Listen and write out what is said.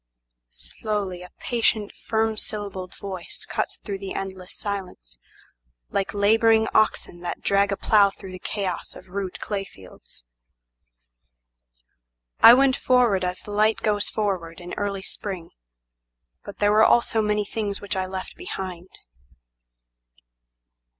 Slowly a patient, firm syllabled voice cuts through the endless silenceLike labouring oxen that drag a plow through the chaos of rude clay fields:"I went forward as the light goes forward in early spring, But there were also many things which I left behind.